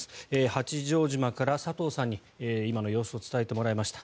八丈島から佐藤さんに今の様子を伝えてもらいました。